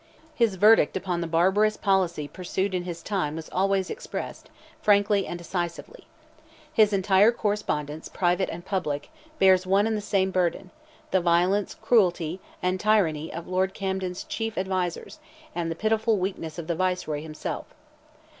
His verdict upon the barbarous policy pursued in his time was always expressed, frankly and decisively. His entire correspondence, private and public, bears one and the same burthen—the violence, cruelty, and tyranny of Lord Camden's chief advisers, and the pitiful weakness of the Viceroy himself.